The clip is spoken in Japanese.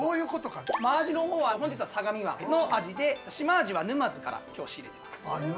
真アジの方は本日は相模湾のアジでシマアジは沼津から今日は仕入れています。